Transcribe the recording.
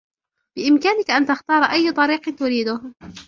بإمكانك أن تختار أيّ طريق تريده.